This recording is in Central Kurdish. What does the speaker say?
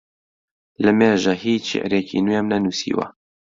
لەمێژە هیچ شیعرێکی نوێم نەنووسیوە.